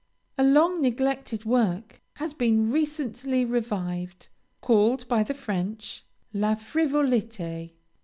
A long neglected work has been recently revived, called by the French "La Frivolité."